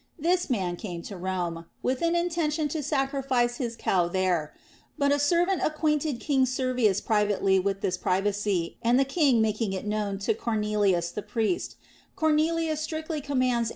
This man came to Rome, with an intention to sac rifice his cow there ; but a servant acquainted King Ser vius privately with this privacy, and the king making it known to Cornelius the priest, Cornelius strictly commands 206 THE ROMAN QUESTIONS.